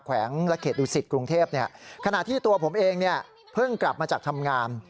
แวงและเขตดุสิตกรุงเทพขณะที่ตัวผมเองเนี่ยเพิ่งกลับมาจากทำงาน